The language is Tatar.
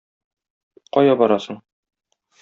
Кая барасың?